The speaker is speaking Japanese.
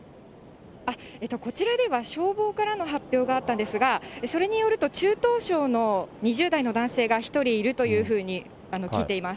こちらでは、消防からの発表があったんですが、それによると、中等症の２０代の男性が１人いるというふうに聞いています。